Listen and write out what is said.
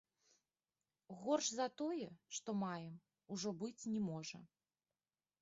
Горш за тое, што маем, ужо быць не можа.